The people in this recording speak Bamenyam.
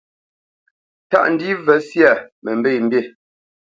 Tâʼ ndî və syâ mə mbê mbî.